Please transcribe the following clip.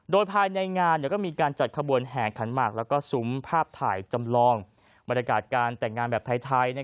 โดยภายในงานก็มีการจัดขบวนแห่ขันหมากและซุ้มภาพถ่ายจำลองบรรยากาศการแต่งงานแบบไทย